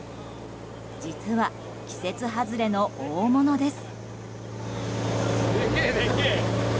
実は季節外れの大物です。